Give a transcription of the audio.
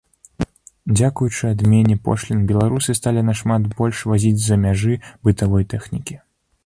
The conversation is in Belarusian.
Дзякуючы адмене пошлін беларусы сталі нашмат больш вазіць з-за мяжы бытавой тэхнікі.